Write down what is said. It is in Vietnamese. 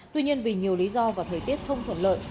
tuy nhiên vì nhiều lý do và thời tiết không thuận lợi